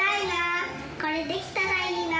これできたらいいな。